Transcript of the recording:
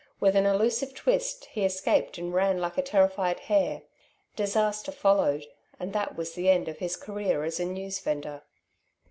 With an elusive twist he escaped and ran like a terrified hare. Disaster followed, and that was the end of his career as a newsvendor.